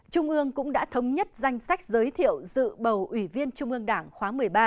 trung ương cũng đã thống nhất danh sách giới thiệu dự bầu ủy viên trung ương đảng khóa một mươi ba